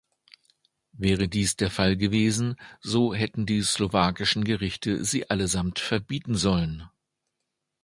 Wäre dies der Fall gewesen, so hätten die slowakischen Gerichte sie allesamt verbieten sollen.